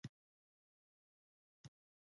احمد به دې له سترګو څخه خاشه هم وانخلي.